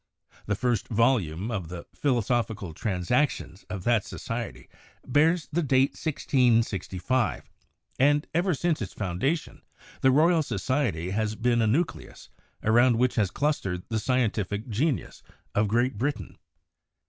The first volume of the 'Philosophical Transactions' of that society bears the date 1665, and ever since its foundation the Royal Society has been a nucleus around which has clustered the scientific genius of Great Britain.